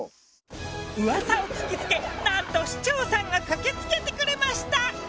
うわさを聞きつけなんと市長さんが駆けつけてくれました。